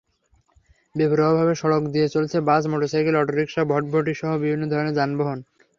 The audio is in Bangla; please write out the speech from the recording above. বেপরোয়াভাবে সড়ক দিয়ে চলছে বাস, মোটরসাইকেল, অটোরিকশা, ভটভটিসহ বিভিন্ন ধরনের যানবাহন।